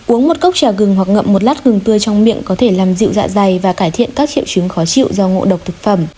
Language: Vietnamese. uống một cốc trà gừng hoặc ngậm một lát gừng tươi trong miệng có thể làm dịu dạ dày và cải thiện các triệu chứng khó chịu do ngộ độc thực phẩm